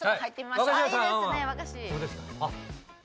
いいですね和菓子。